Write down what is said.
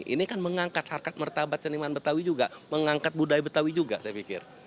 ini kan mengangkat harkat martabat seniman betawi juga mengangkat budaya betawi juga saya pikir